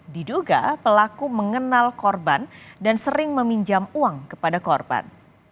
diduga pelaku mengenal korban dan sering meminjam uang kepada korban